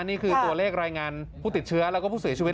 นี่คือตัวเลขรายงานผู้ติดเชื้อแล้วก็ผู้เสียชีวิต